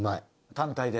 単体で。